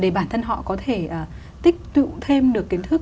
để bản thân họ có thể tích tụ thêm được kiến thức